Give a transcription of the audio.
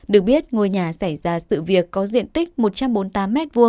được biết ngôi nhà xảy ra sự việc có diện tích một trăm bốn mươi tám m hai